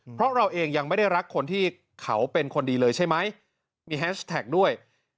เพราะเราเองยังไม่ได้รักคนที่เขาเป็นคนดีเลยใช่ไหมมีแฮชแท็กด้วย